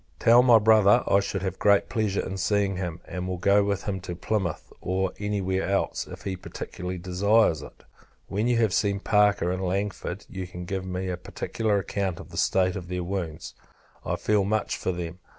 Tell my Brother, I should have great pleasure in seeing him; and will go with him to Plymouth, or any where else, if he particularly desires it. When you have seen Parker and Langford, you can give me a particular account of the state of their wounds. I feel much for them.